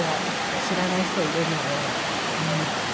知らない人を入れるのは嫌だっていう。